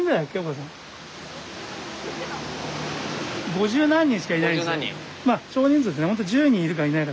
五十何人しかいないんですよ。